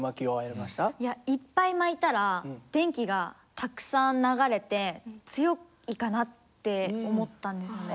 いやいっぱい巻いたら電気がたくさん流れて強いかなって思ったんですよね。